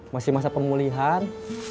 masih masa pemulihan